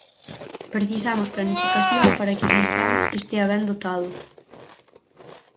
Precisamos planificación para que o sistema estea ben dotado.